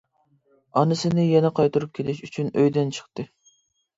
ئانىسىنى يەنە قايتۇرۇپ كېلىش ئۈچۈن ئۆيدىن چىقتى.